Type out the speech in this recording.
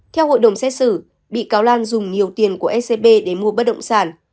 theo hội đồng xét xử bị cáo lan dùng nhiều tiền của scb để mua bất động sản